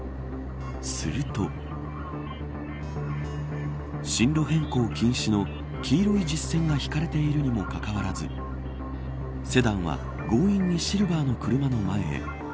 すると進路変更禁止の黄色い実線が引かれているにもかかわらずセダンは、強引にシルバーの車の前へ。